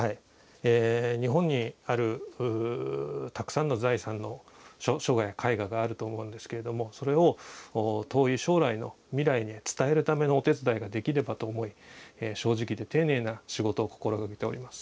日本にあるたくさんの財産の書画や絵画があると思うんですけれどもそれを遠い将来の未来へ伝えるためのお手伝いができればと思い正直で丁寧な仕事を心がけております。